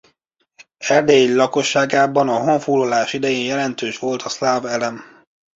Erdély lakosságában a honfoglalás idején jelentős volt a szláv elem.